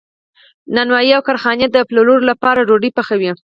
نانوایی او کارخانې د پلورلو لپاره ډوډۍ پخوي.